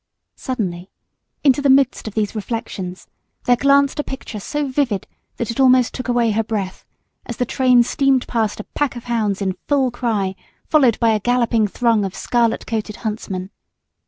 Suddenly into the midst of these reflections there glanced a picture so vivid that it almost took away her breath, as the train steamed past a pack of hounds in full cry, followed by a galloping throng of scarlet coated huntsmen.